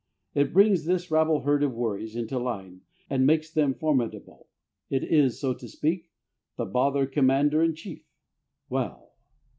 It brings this rabble herd of worries into line and makes them formidable; it is, so to speak, the Bother Commander in Chief. Well!